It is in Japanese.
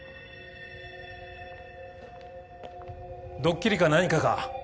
ドッキリか何かか！？